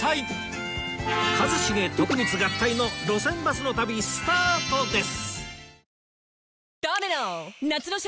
一茂徳光合体の『路線バスの旅』スタートです